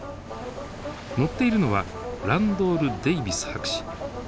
乗っているのはランドール・デイビス博士。